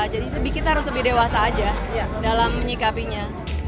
jadi kita harus lebih dewasa aja dalam menyikapinya